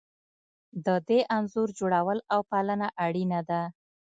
د دې انځور جوړول او پالنه اړینه ده.